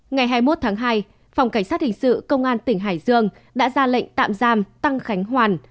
ngày hai mươi một tháng hai phòng cảnh sát hình sự công an tỉnh hải dương đã ra lệnh tạm giam tăng khánh hoàn